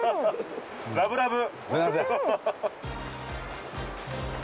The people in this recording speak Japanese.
ラブラブ。